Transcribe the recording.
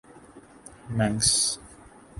مینکس